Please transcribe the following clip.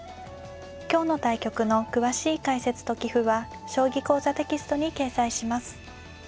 今日の対局の詳しい解説と棋譜は「将棋講座」テキストに掲載します。